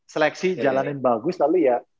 seleksi jalanin bagus lalu ya